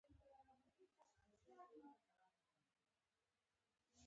غیر عضوي سرې په طبیعت کې په طبیعي شکل شته دي.